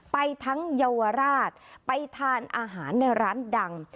ไปทั้งเยาวราชไปทานอาหารในร้านดัง